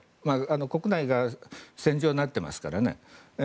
国内が戦場になっていますからね。